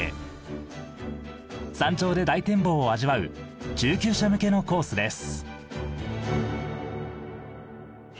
山頂で大展望を味わう中級者向けのコースです。